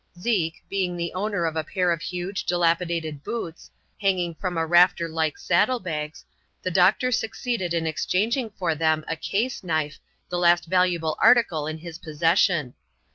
Zeke, being the owner of a pair of huge, dilapidated bootSi hanging from a rafter like saddle bags, the doctor succeeded in exchanging for them a case knife, the last valuable article in his possession.